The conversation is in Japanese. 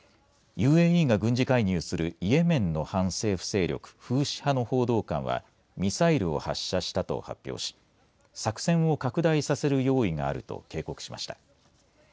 ＵＡＥが軍事介入するイエメンの反政府勢力フーシ派の報道官はミサイルを発射したと発表し作戦を拡大させる用意があると警告しました。